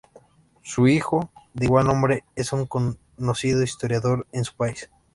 Su hijo, de igual nombre, es un conocido historiador en su país.